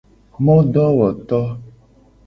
Modowoto.